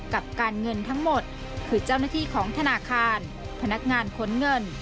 กับการเงินทั้งหมดคือเจ้าหน้าที่ของธนาคารพนักงานขนเงิน